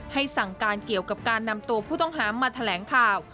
สั่งการเกี่ยวกับการนำตัวผู้ต้องหามาแถลงข่าว